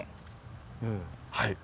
はい。